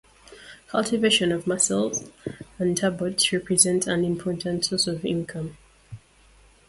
Cultivation of mussels and turbots represents an important source of income.